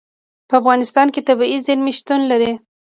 په افغانستان کې طبیعي زیرمې شتون لري.